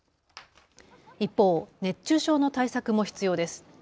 一方、熱中症の対策も必要です。